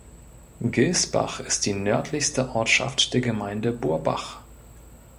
Gilsbach ist die nördlichste Ortschaft der Gemeinde Burbach.